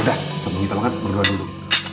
sudah sebelum kita makan berdoa dulu